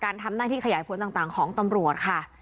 ทำหน้าที่ขยายผลต่างของตำรวจค่ะ